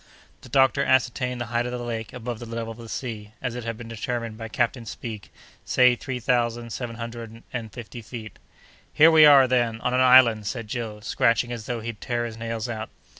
The doctor ascertained the height of the lake above the level of the sea, as it had been determined by Captain Speke, say three thousand seven hundred and fifty feet. "Here we are, then, on an island!" said Joe, scratching as though he'd tear his nails out.